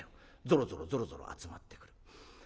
ぞろぞろぞろぞろ集まってくる。